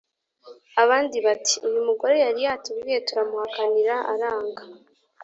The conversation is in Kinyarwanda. Abandi bati: "Uyu mugore yari yatubwiye, turamuhakanira aranga